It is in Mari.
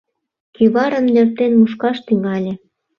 Кӱварым нӧртен мушкаш тӱҥале.